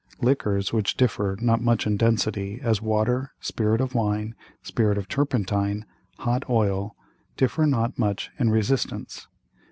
Liquors which differ not much in Density, as Water, Spirit of Wine, Spirit of Turpentine, hot Oil, differ not much in Resistance.